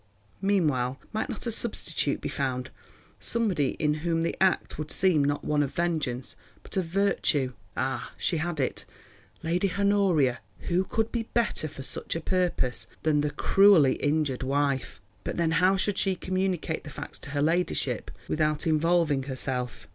Meanwhile, might not a substitute be found—somebody in whom the act would seem not one of vengeance, but of virtue? Ah! she had it: Lady Honoria! Who could be better for such a purpose than the cruelly injured wife? But then how should she communicate the facts to her ladyship without involving herself?